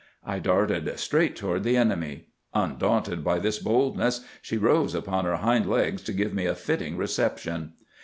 I darted straight toward the enemy. Undaunted by this boldness she rose upon her hind legs to give me a fitting reception.